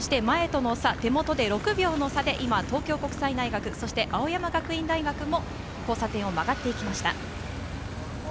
前との差、手元で６秒の差で東京国際大、青山学院大学も交差点を曲がっていきました。